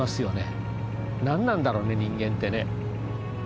何なんだろうね人間ってね。